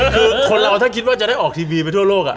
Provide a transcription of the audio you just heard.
คือคนเราถ้าคิดว่าจะได้ออกทีวีไปทั่วโลก